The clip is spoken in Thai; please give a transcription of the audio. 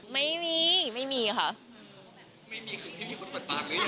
ไม่มีคือไม่มีคนเปิดปากเลย